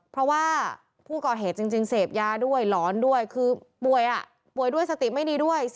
เพราะว่าผู้ก่อเหตุจริงเสพยาด้วยหลอนด้วยคือป่วยป่วยด้วยสติไม่ดีด้วย